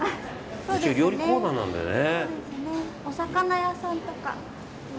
一応料理コーナーなんでね。